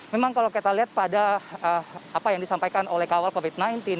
memang kalau kita lihat pada apa yang disampaikan oleh kawal covid sembilan belas